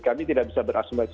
kami tidak bisa berasumsi